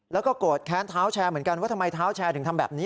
แล้วก็โกรธแค้นเท้าแชร์เหมือนกันว่าทำไมเท้าแชร์ถึงทำแบบนี้